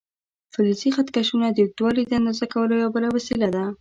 فلزي خط کشونه د اوږدوالي د اندازه کولو یوه بله وسیله ده.